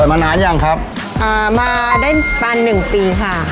เจอมานานยังครับมาได้ปาน๑ปีค่ะ